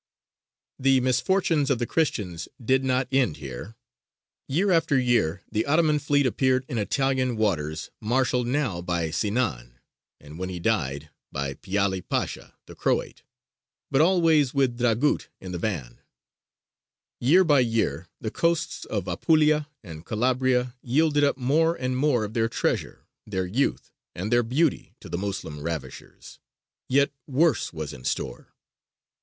The misfortunes of the Christians did not end here. Year after year the Ottoman fleet appeared in Italian waters, marshalled now by Sinān, and when he died by Piāli Pasha the Croat, but always with Dragut in the van; year by year the coasts of Apulia and Calabria yielded up more and more of their treasure, their youth, and their beauty, to the Moslem ravishers; yet worse was in store.